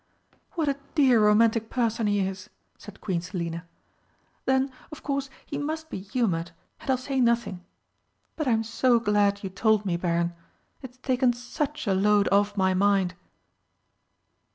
"What a dear romantic person he is!" said Queen Selina. "Then, of course, he must be humoured and I'll say nothing. But I'm so glad you told me, Baron. It's taken such a load off my mind!"